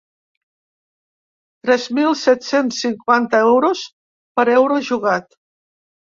Tres mil set-cents cinquanta euros per euro jugat.